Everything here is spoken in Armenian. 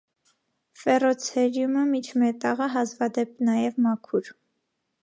Ֆեռոցերիումը, միջմետաղը, հազվադեպ նաև մաքուր։